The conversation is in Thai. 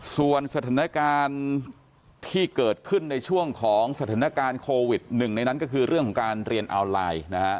ส่วนสถานการณ์ที่เกิดขึ้นในช่วงของสถานการณ์โควิดหนึ่งในนั้นก็คือเรื่องของการเรียนออนไลน์นะฮะ